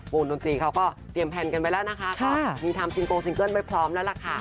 วงลงตรีเขาก็เตรียมแทนไว้แล้วนะคะมีทามษิงโกสิงเกิร์ลค่ะ